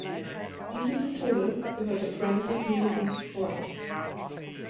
Diese Pistole gehörte Frances Newtons Freund.